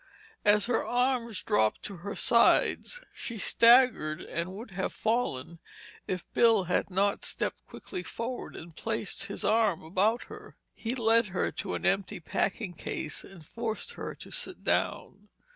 As her arms dropped to her sides, she staggered and would have fallen if Bill had not stepped quickly forward and placed his arm about her. He led her to an empty packing case and forced her to sit down.